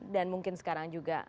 dan mungkin sekarang juga